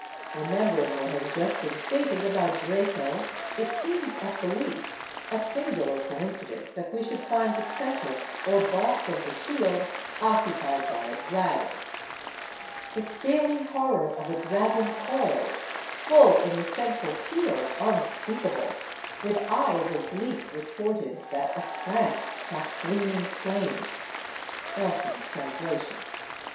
Remembering what has just been stated about Draco, it seems at the least a singular coincidence that we should find the centre or boss of the shield occupied by a dragon:— The scaly horror of a dragon, coil'd Full in the central field, unspeakable, With eyes oblique retorted, that aslant Shot gleaming flame.—Elton's Translation.